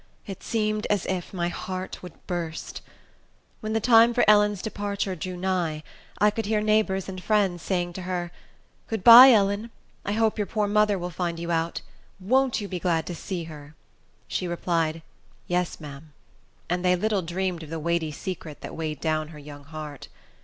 It seemed as if my heart would burst. When the time for Ellen's departure drew nigh, I could hear neighbors and friends saying to her, "Good by, Ellen. I hope your poor mother will find you out. Won't you be glad to see her!" She replied, "Yes, ma'am;" and they little dreamed of the weighty secret that weighed down her young heart.